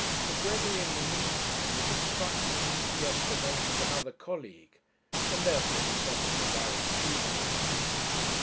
Sir Gregory in the meantime was instructed to suggest the name of another colleague; and, therefore, he sent for Alaric Tudor.